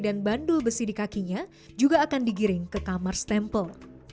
dan bandul besi di kakinya juga akan digiring ke kamar stempel